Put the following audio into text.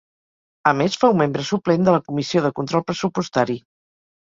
A més, fou membre suplent de la comissió de control pressupostari.